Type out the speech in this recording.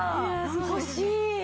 欲しい。